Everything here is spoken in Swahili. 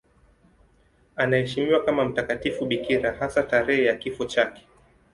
Anaheshimiwa kama mtakatifu bikira, hasa tarehe ya kifo chake.